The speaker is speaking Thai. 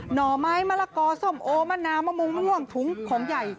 ห่อไม้มะละกอส้มโอมะนาวมะม่วงม่วงถุงของใหญ่